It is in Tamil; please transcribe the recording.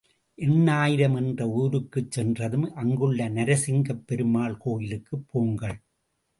எண்ணாயிரம் என்ற ஊருக்குச் சென்றதும் அங்குள்ள நரசிங்கப் பெருமாள் கோயிலுக்குப் போங்கள்.